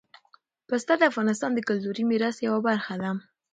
پسه د افغانستان د کلتوري میراث یوه برخه ده.